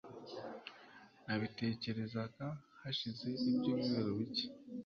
Nabitekerezaga hashize ibyumweru bike.